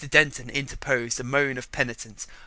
Denton interposed a moan of penitence.